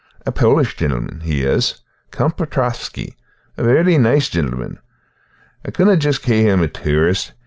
"A Polish gintleman, he is, Count Pretovsky, a vary nice gintleman. I couldna just cae him a tourist.